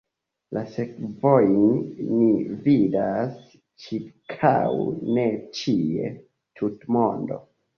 La sekvojn ni vidas ĉirkaŭ ni ĉie, tutmonde.